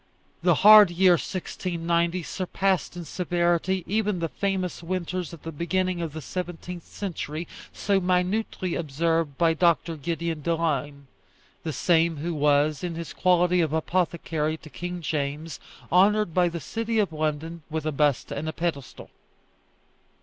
The hard year 1690 surpassed in severity even the famous winters at the beginning of the seventeenth century, so minutely observed by Dr. Gideon Delane the same who was, in his quality of apothecary to King James, honoured by the city of London with a bust and a pedestal.